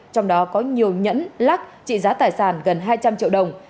trong đó có nhiều nhẫn lắc lắc trị giá tài sản gần hai trăm linh triệu đồng